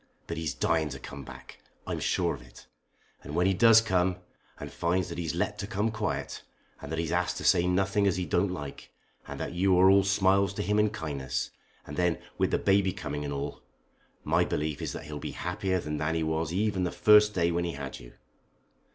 But he's dying to come back. I'm sure of it. And when he does come and finds that he's let to come quiet, and that he's asked to say nothing as he don't like, and that you are all smiles to him and kindness, and then with the baby coming and all, my belief is that he'll be happier then than he was even the first day when he had you."